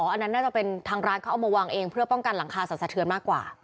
อันนั้นน่าจะเป็นทางร้านเขาเอามาวางเองเพื่อป้องกันหลังคาสันสะเทือนมากกว่า